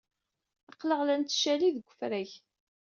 Aql-aɣ la nettcali deg wefrag.